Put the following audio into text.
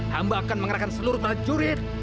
hamba akan menggerakkan seluruh mahjurit